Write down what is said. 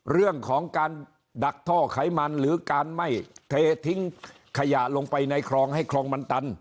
เรื่องของการดักท่อไขมันหรือการไม่เททิ้งขยะลงไปในคลองให้คลองมันตัน